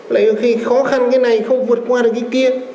lại khi khó khăn cái này không vượt qua được cái kia